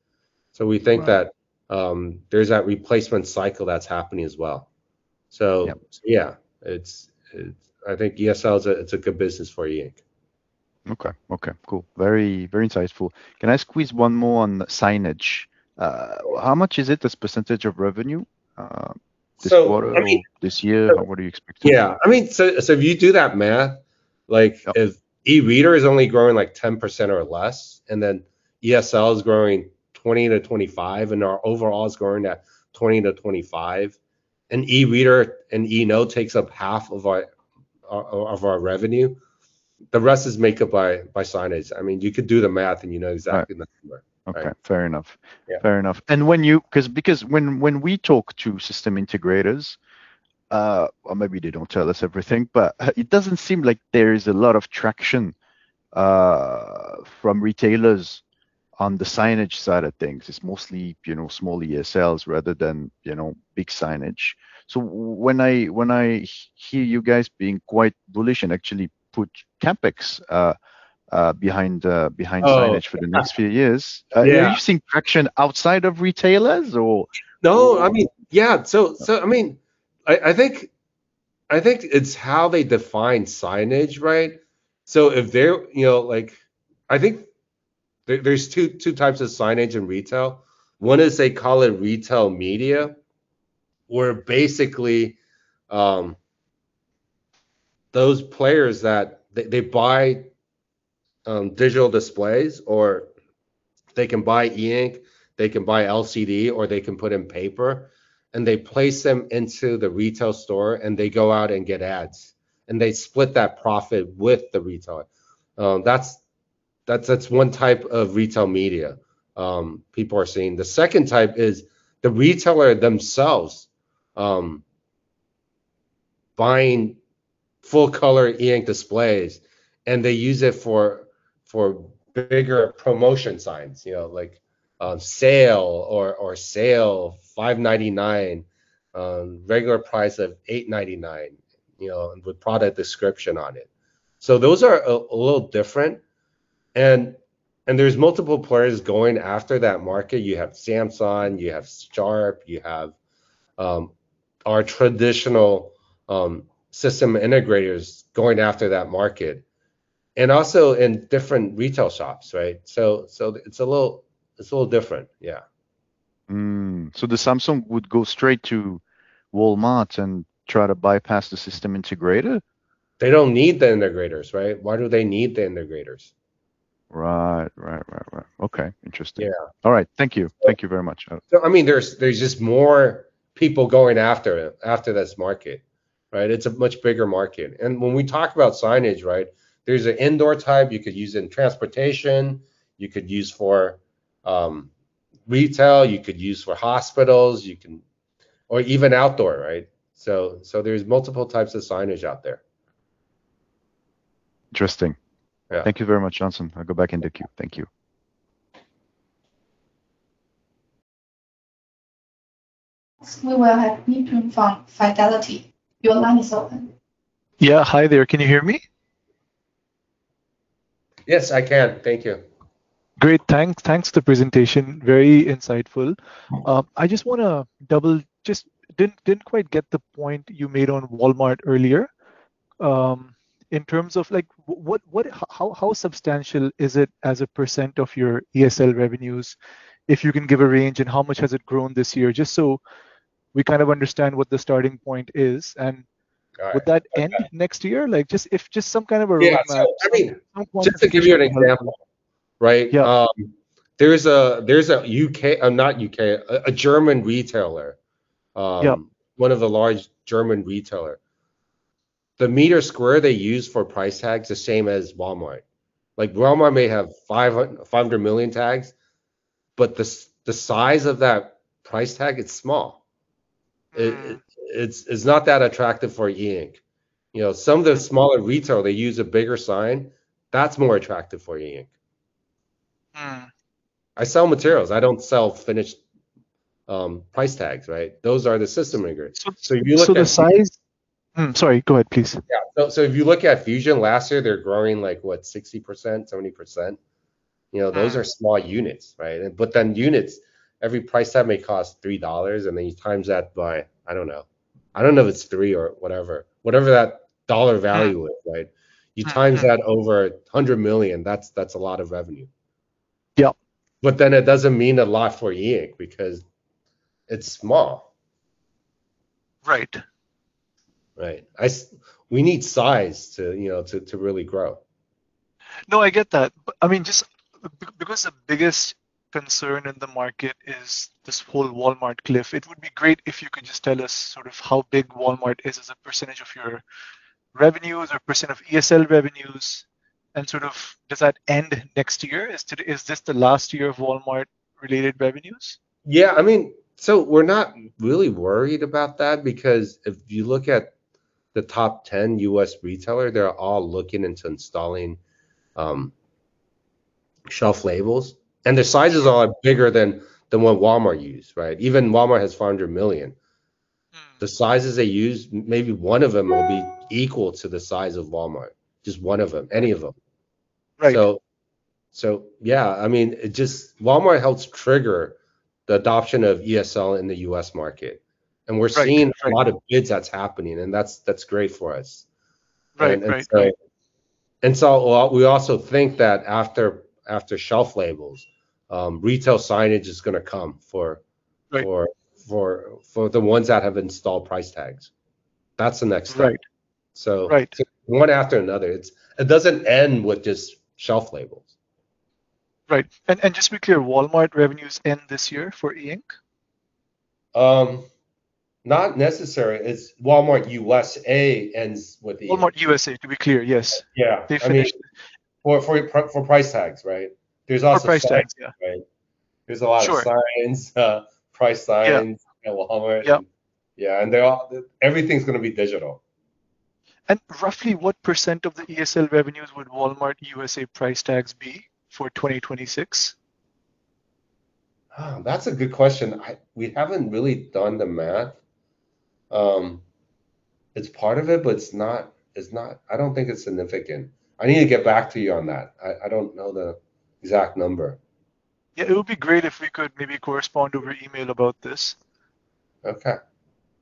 Right. We think that there's that replacement cycle that's happening as well. Yeah. Yeah, it's, I think ESL's a good business for E Ink. Okay. Okay, cool. Very, very insightful. Can I squeeze one more on signage? How much is it as percentage of revenue? So, I mean— this quarter or this year, what are you expecting? Yeah, I mean, so if you do that math, like if eReader is only growing, like, 10% or less, ESL is growing 20%-25%, our overall is growing at 20%-25%, eReader and eNote takes up half of our revenue, the rest is made up by signage. I mean, you could do the math and you know exactly the number. Right. Okay, fair enough. Yeah. Fair enough. When we talk to system integrators, or maybe they don't tell us everything, but it doesn't seem like there is a lot of traction from retailers on the signage side of things. It's mostly, you know, small ESLs rather than, you know, big signage. When I hear you guys being quite bullish and actually put CapEx behind signage for the next few years. Yeah. Are you seeing traction outside of retailers, or— No, I mean, yeah. I mean, I think it's how they define signage, right? If they're, you know, like I think there's two types of signage in retail. One is they call it retail media, where basically, those players that they buy digital displays or they can buy E Ink, they can buy LCD, or they can put in paper, and they place them into the retail store, and they go out and get ads. They split that profit with the retailer. That's one type of retail media people are seeing. The secnd type is the retailer themselves, buying full-color E Ink displays, and they use it for bigger promotion signs, you know, like sale or sale $5.99, regular price of $8.99, you know, with product description on it. Those are a little different. There's multiple players going after that market. You have Samsung, you have Sharp, you have our traditional system integrators going after that market. Also in different retail shops, right? It's a little different, yeah. Samsung would go straight to Walmart and try to bypass the system integrator? They don't need the integrators, right? Why do they need the integrators? Right. Right, right. Okay, interesting. Yeah. All right, thank you. Thank you very much. I mean, there's just more people going after it, after this market, right? It's a much bigger market. When we talk about signage, right, there's an indoor type you could use in transportation, you could use for retail, you could use for hospitals, you can Or even outdoor, right? There's multiple types of signage out there. Interesting. Yeah. Thank you very much, Johnson. I will go back into queue. Thank you. Next we will have Nipun from Fidelity. Your line is open. Yeah. Hi there, can you hear me? Yes, I can. Thank you. Great. Thanks for the presentation, very insightful. I just want to double, just didn't quite get the point you made on Walmart earlier, in terms of what, how substantial is it as a percent of your ESL revenues, if you can give a range, and how much has it grown this year? Just so we kind of understand what the starting point is. Would that end next year? Like, just some kind of a roadmap. Yeah, so I mean— I just want to— Just to give you an example, right? Yeah. There's a U.K., not U.K., a German retailer. Yeah. One of the large German retailer. The meter square they use for price tags the same as Walmart. Walmart may have 500 million tags, but the size of that price tag, it's small. It's not that attractive for E Ink. You know, some of the smaller retail, they use a bigger sign. That's more attractive for E Ink. I sell materials. I don't sell finished, price tags, right? Those are the system integrators. The size—sorry, go ahead please. Yeah. So if you look at Vusion last year, they're growing, like, what, 60%, 70%? You know, those are small units, right? Units, every price tag may cost $3, and then you times that by, I don't know, I don't know if it's 3 or whatever that dollar value is, right? Yeah. You times that over 100 million, that's a lot of revenue. Yeah. It doesn't mean a lot for E Ink because it's small. Right. Right. We need size to, you know, to really grow. No, I get that. I mean, just because the biggest concern in the market is this whole Walmart cliff, it would be great if you could just tell us sort of how big Walmart is as a percentage of your revenues or percent of ESL revenues, and sort of does that end next year? Is this the last year of Walmart-related revenues? I mean, we're not really worried about that because if you look at the top 10 U.S. retailer, they're all looking into installing shelf labels, and their sizes are a lot bigger than what Walmart use, right? Even Walmart has 400 million. The sizes they use, maybe one of them will be equal to the size of Walmart, just one of them, any of them. Right. Yeah, I mean, it just, Walmart helps trigger the adoption of ESL in the U.S. market, and we're seeing a lot of bids that's happening, and that's great for us. Right. Right. We also think that after shelf labels, retail signage is gonna come. Right. For the ones that have installed price tags. That's the next step. Right. So— Right. One after another. It doesn't end with just shelf labels. Right. Just to be clear, Walmart revenues end this year for E Ink? Not necessarily. It's Walmart U.S.A. ends with E Ink. Walmart U.S.A., to be clear, yes. Yeah. They finish. I mean, for price tags, right? There's also signs— For price tags, yeah. Right? Sure. Signs, price signs. Yeah. At Walmart. Yeah. Yeah, everything's gonna be digital. Roughly what percent of the ESL revenues would Walmart U.S.A. price tags be for 2026? That's a good question. We haven't really done the math. It's part of it, but it's not, I don't think it's significant. I need to get back to you on that. I don't know the exact number. It would be great if we could maybe correspond over email about this. Okay.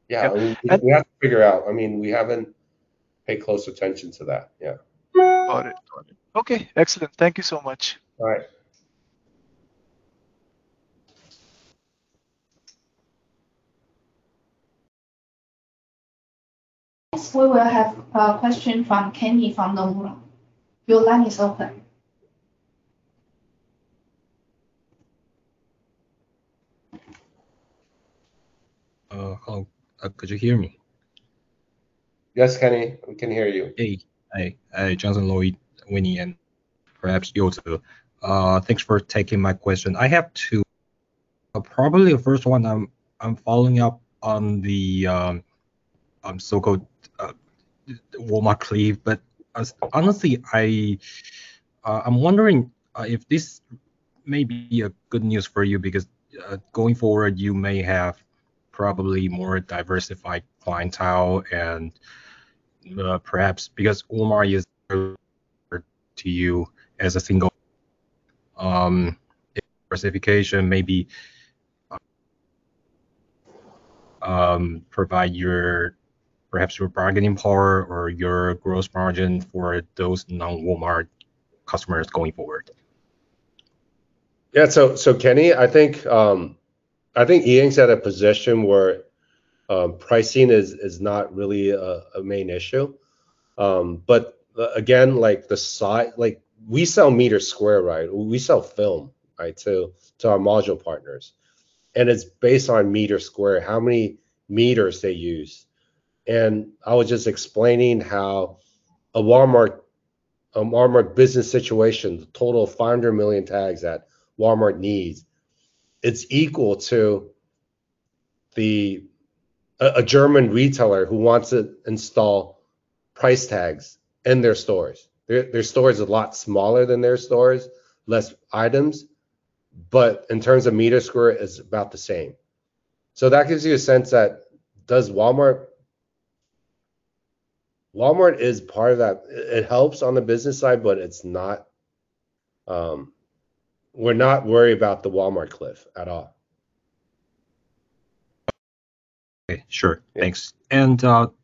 Yeah. Yeah. We have to figure out, I mean, we haven't paid close attention to that, yeah. Got it. Got it. Okay, excellent. Thank you so much. All right. Next, we will have a question from Kenny from Nomura. Your line is open. Hello. Could you hear me? Yes, Kenny, we can hear you. Hey. Hi. Hi, Johnson, Lloyd, Winnie, and perhaps you too. Thanks for taking my question. I have two. Probably the first one I'm following up on the so-called Walmart cliff, honestly, I'm wondering if this may be a good news for you because going forward you may have probably more diversified clientele and perhaps because Walmart is to you as a single diversification maybe provide your perhaps your bargaining power or your gross margin for those non-Walmart customers going forward. Kenny, I think E Ink's at a position where pricing is not really a main issue. Again, like we sell meter square, right? We sell film, right, to our module partners, and it's based on meter square, how many meters they use. I was just explaining how a Walmart business situation, the total 500 million tags that Walmart needs, it's equal to a German retailer who wants to install price tags in their stores. Their store is a lot smaller than their stores, less items, but in terms of meter square, it's about the same. That gives you a sense that Walmart is part of that. It helps on the business side, but it's not, we're not worried about the Walmart cliff at all. Okay. Sure. Thanks.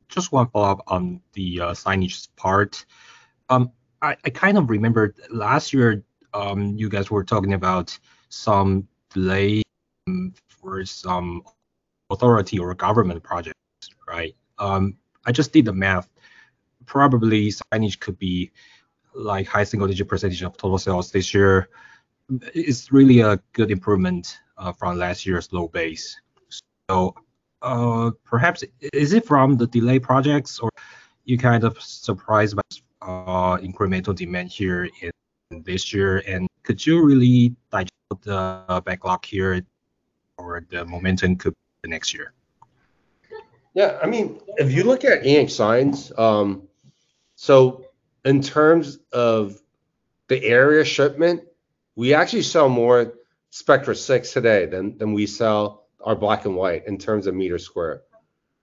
Just one follow-up on the signage part. I kind of remember last year, you guys were talking about some delay for some authority or government project, right? I just did the math. Probably signage could be like high single-digit percentage of total sales this year. It's really a good improvement from last year's low base. Perhaps is it from the delay projects or you kind of surprised by incremental demand here in this year, and could you really digest the backlog here or the momentum could be next year? Yeah, I mean, if you look at E Ink signs, so in terms of the area shipment, we actually sell more Spectra 6 today than we sell our black and white in terms of meter square.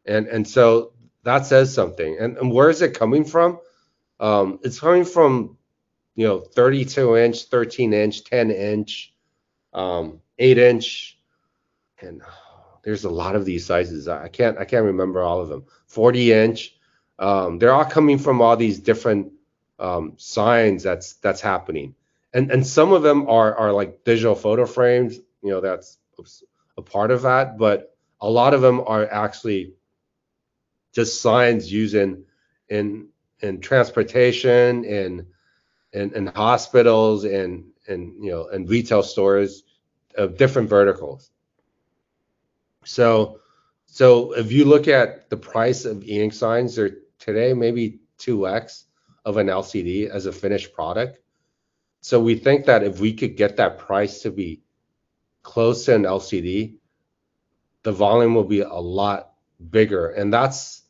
That says something. Where is it coming from? It's coming from, you know, 32-inch, 13-inch, 10-inch, 8-inch, and there's a lot of these sizes. I can't remember all of them, 40-inch. They're all coming from all these different signs that's happening. Some of them are like digital photo frames, you know, that's a part of that. A lot of them are actually just signs used in transportation, in hospitals, in, you know, in retail stores of different verticals. If you look at the price of E Ink signs they're today maybe 2x of an LCD as a finished product. We think that if we could get that price to be close to an LCD, the volume will be a lot bigger, and that's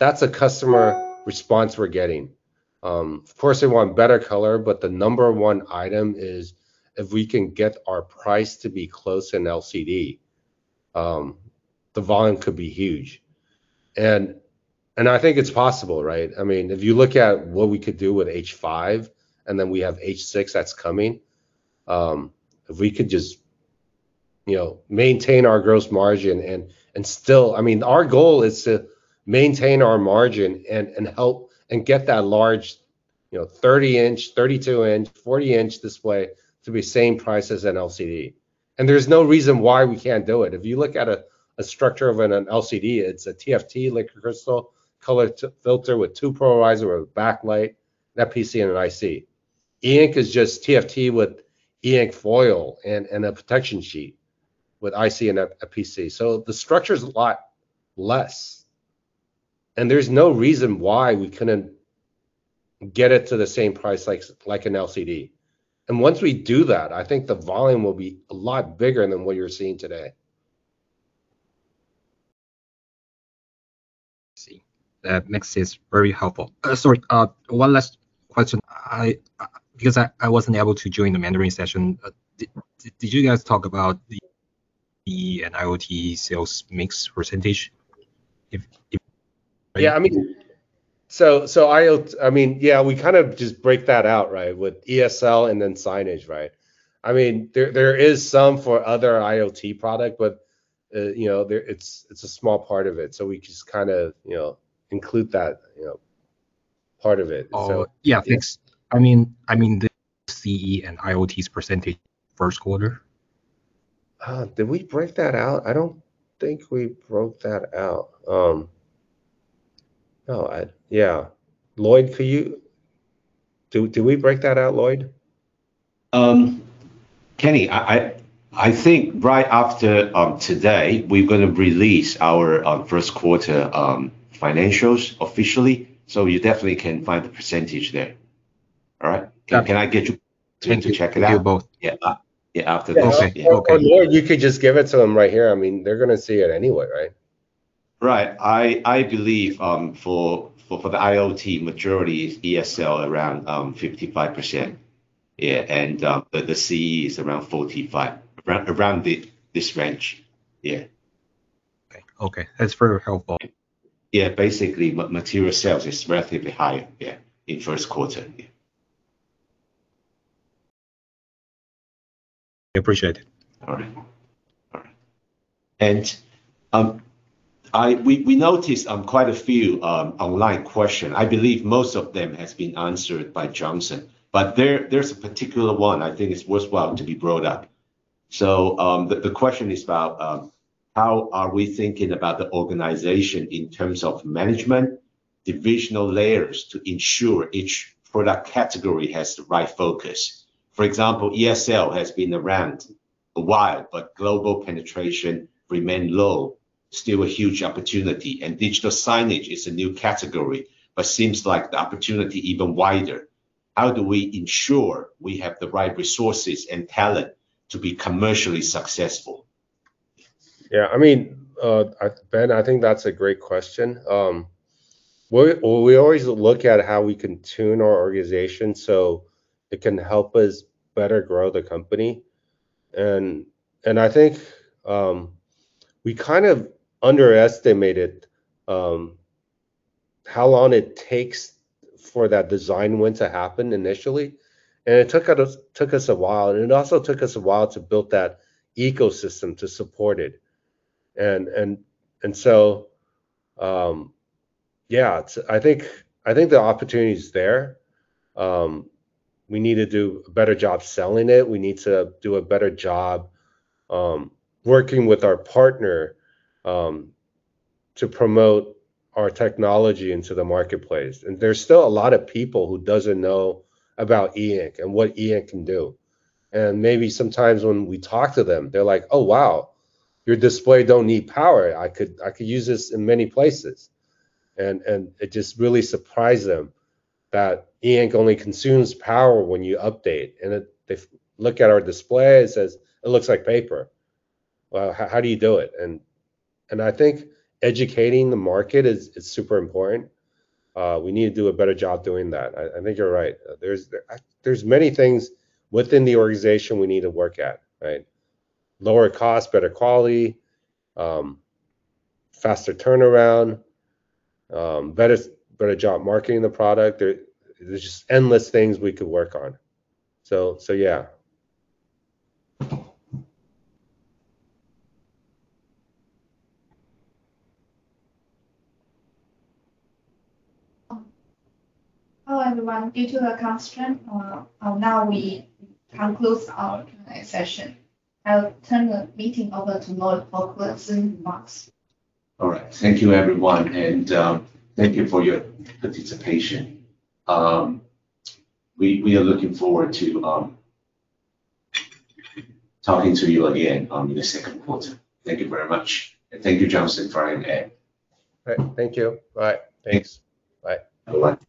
a customer response we're getting. Of course they want better color, but the number one item is if we can get our price to be close to an LCD, the volume could be huge. I think it's possible, right? I mean, if you look at what we could do with H5 and then we have H6 that's coming, if we could just, you know, maintain our gross margin and still I mean, our goal is to maintain our margin and help, and get that large, you know, 30-inch, 32-inch, 40-inch display to be same price as an LCD. There's no reason why we can't do it. If you look at a structure of an LCD, it's a TFT, liquid crystal, color filter with two polarizers or a backlight, an FPC and an IC. E Ink is just TFT with E Ink foil and a protection sheet with IC and a PC. The structure's a lot less, and there's no reason why we couldn't get it to the same price like an LCD. Once we do that, I think the volume will be a lot bigger than what you're seeing today. See, that makes it very helpful. Sorry, one last question. Because I wasn't able to join the Mandarin session, did you guys talk about the IoT sales mix percentage? Yeah, I mean IoT, I mean, yeah, we kind of just break that out, right? With ESL and then signage, right? I mean, there is some for other IoT product, but, you know, it's a small part of it, so we just kind of, you know, include that, you know, part of it. Oh, yeah, thanks. I mean the CE and IoT's percentage first quarter. Did we break that out? I don't think we broke that out. No, I Yeah. Lloyd, could you, did we break that out, Lloyd? Kenny, I think right after, today we're gonna release our first quarter financials officially, so you definitely can find the percentage there. All right? Okay. Can I get you time to check it out? Thank you both. Yeah. Yeah, after this. Okay. Okay. Lloyd, you could just give it to him right here. I mean, they're gonna see it anyway, right? Right. I believe, for the IoT majority ESL around 55%. Yeah. The CE is around 45%. Around this range. Yeah. Okay. Okay. That's very helpful. Yeah. Basically material sales is relatively high, yeah, in first quarter, yeah. I appreciate it. All right. All right. We noticed quite a few online question. I believe most of them has been answered by Johnson. There's a particular one I think is worthwhile to be brought up. The question is about how are we thinking about the organization in terms of management, divisional layers to ensure each product category has the right focus? For example, ESL has been around a while but global penetration remain low, still a huge opportunity, and digital signage is a new category but seems like the opportunity even wider. How do we ensure we have the right resources and talent to be commercially successful? I mean, I, Ben, I think that's a great question. We always look at how we can tune our organization so it can help us better grow the company. I think we kind of underestimated how long it takes for that design win to happen initially, and it took us a while. It also took us a while to build that ecosystem to support it. So, it's I think the opportunity's there. We need to do a better job selling it. We need to do a better job working with our partner to promote our technology into the marketplace. There's still a lot of people who doesn't know about E Ink and what E Ink can do. Maybe sometimes when we talk to them, they're like, "Oh, wow, your display don't need power. I could use this in many places." It just really surprise them that E Ink only consumes power when you update. They look at our display and says, "It looks like paper. Well, how do you do it?" I think educating the market is super important. We need to do a better job doing that. I think you're right. There's many things within the organization we need to work at, right? Lower cost, better quality, faster turnaround, better job marketing the product. There's just endless things we could work on. Yeah. Hello, everyone. Due to a constraint, now we conclude our session. I'll turn the meeting over to Lloyd for closing remarks. All right. Thank you everyone, and thank you for your participation. We are looking forward to talking to you again in the second quarter. Thank you very much. Thank you Johnson for your help. All right. Thank you. Bye. Thanks. Bye. Good bye.